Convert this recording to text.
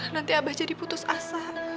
nanti abah jadi putus asa